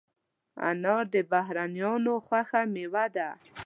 انار د بهرنیانو خوښه مېوه ده.